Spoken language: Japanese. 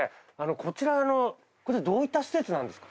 こちらあのどういった施設なんですか？